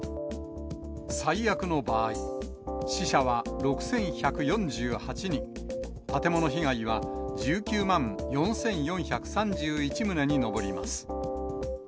最悪の場合、死者は６１４８人、建物被害は１９万４４３１棟に上ります。